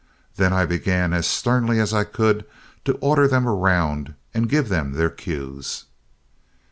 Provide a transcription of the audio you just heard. Then I began as sternly as I could to order them round and give them their cues.